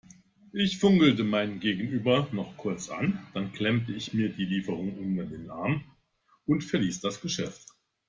Ich funkelte mein Gegenüber noch kurz an, dann klemmte ich mir die Lieferung unter den Arm und verließ das Geschäft.